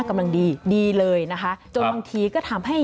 กำลังดีดีเลยนะคะ